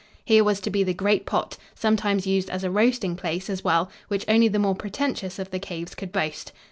Here was to be the great pot, sometimes used as a roasting place, as well, which only the more pretentious of the caves could boast.